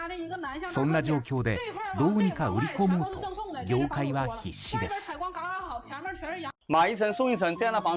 そんな状況でどうにか売り込もうと業界は必死です。